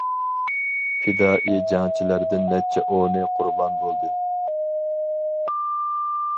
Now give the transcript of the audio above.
پىدائىي جەڭچىلەردىن نەچچە ئونى قۇربان بولدى.